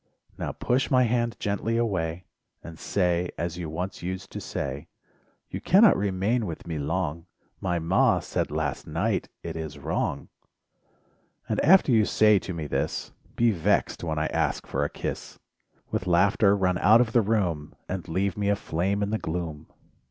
Now push my hand gently away, And say, as you once used to say: "You cannot remain with me long— My 'Ma' said last night it is wrong .. And after you say to me this, Be vexed when I ask for a kiss, With laughter run out of the room, And leave me aflame in the gloom